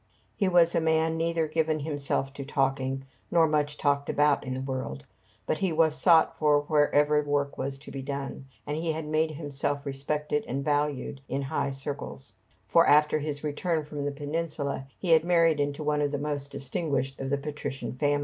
He was a man neither given himself to talking, nor much talked about in the world; but he was sought for wherever work was to be done, and he had made himself respected and valued in high circles, for after his return from the Peninsula he had married into one of the most distinguished of the patrician families.